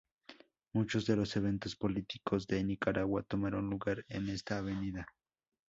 Muchos de los eventos políticos de Nicaragua tomaron lugar en esta Avenida.